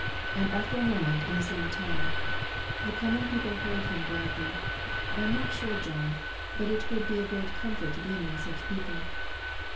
And after a moment, in the same tone "The common people heard Him gladly. I am not sure, John, but it would be a great comfort to be among such a people."